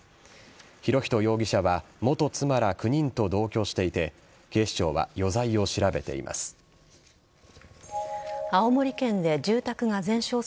博仁容疑者は元妻ら９人と同居していて警視庁は余罪を調べています。